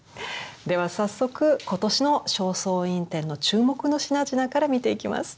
では早速今年の「正倉院展」の注目の品々から見ていきます。